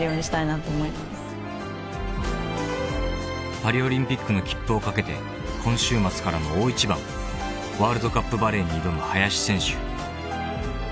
［パリオリンピックの切符をかけて今週末からの大一番ワールドカップバレーに挑む林選手］